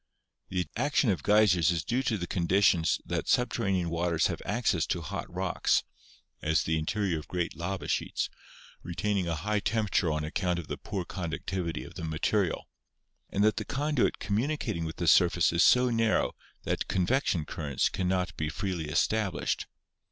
The action of geysers is due to the condition that sub terranean waters have access to hot rocks (as the interior Geysers Forced Up Through Oblique Strata. of great lava sheets, retaining a high temperature on ac count of the poor conductivity of the material), and that the conduit communicating with the surface is so narrow that convection currents cannot be freely established.